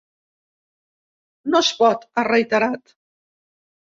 No es pot, ha reiterat.